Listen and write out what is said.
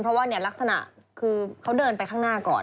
เพราะว่าเนี่ยลักษณะคือเขาเดินไปข้างหน้าก่อน